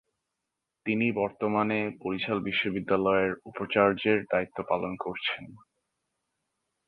তিনি বর্তমানে বরিশাল বিশ্ববিদ্যালয়ের উপাচার্যের দায়িত্ব পালন করছেন।